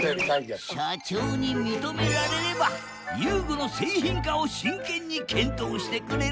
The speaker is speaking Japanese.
社長に認められれば遊具の製品化を真剣に検討してくれるという。